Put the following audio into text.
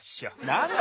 なんだ？